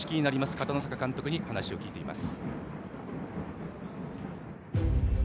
片野坂監督に話を聞いています。